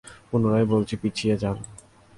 পুনরায় বলছি, পিছিয়ে যান।